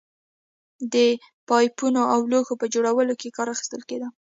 د پایپونو او لوښو په جوړولو کې کار اخیستل کېده